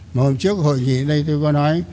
mà hôm trước hội nghị đây tôi có nói